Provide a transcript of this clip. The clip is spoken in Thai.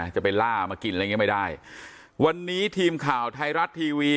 จะไปล่ามากินอะไรอย่างเงี้ไม่ได้วันนี้ทีมข่าวไทยรัฐทีวี